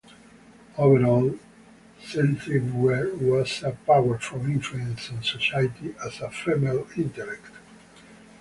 Overall, Centlivre was a powerful influence on society as a female intellect.